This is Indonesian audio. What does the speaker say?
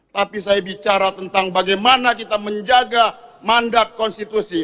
tapi saya bicara tentang bagaimana kita menjaga mandat konstitusi